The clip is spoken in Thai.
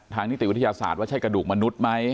นิติวิทยาศาสตร์ว่าใช่กระดูกมนุษย์ไหม